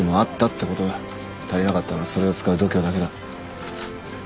足りなかったのはそれを使う度胸だけだ。